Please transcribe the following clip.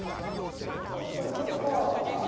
どこどこ？